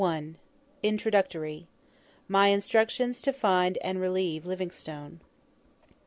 INTRODUCTORY. MY INSTRUCTIONS TO FIND AND RELIEVE LIVINGSTONE.